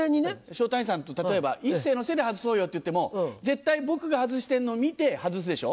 昇太兄さんと例えばいっせのせで外そうよって言っても絶対僕が外してるのを見て外すでしょ。